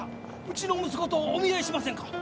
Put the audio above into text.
うちの息子とお見合いしませんか？